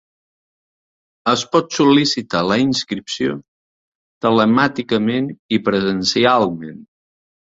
Es pot sol·licitar la inscripció telemàticament i presencialment.